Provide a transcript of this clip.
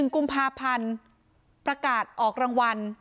๑กุมภาพันธ์ประกาศออกรางวัล